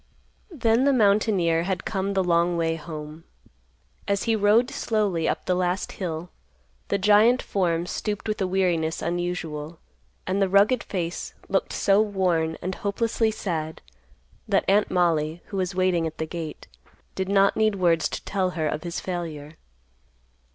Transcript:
Then the mountaineer had come the long way home. As he rode slowly up the last hill, the giant form stooped with a weariness unusual, and the rugged face looked so worn and hopelessly sad, that Aunt Mollie, who was waiting at the gate, did not need words to tell her of his failure.